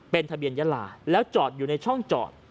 เป็นทะเบียนยาลาแล้วจอดอยู่ในช่องจอด